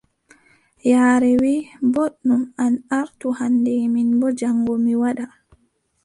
Yaare wii: booɗɗum an artu hannde, min boo jaŋgo mi waɗa.